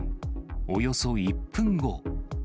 およそ１分後。